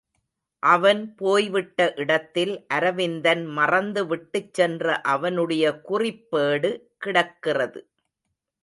அவன் போய்விட்ட இடத்தில், அரவிந்தன் மறந்து விட்டுச்சென்ற அவனுடைய குறிப்பேடு கிடக்கிறது.